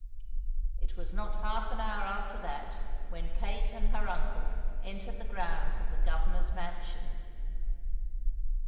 It was not half an hour after that when Kate and her uncle entered the grounds of the Governor's mansion.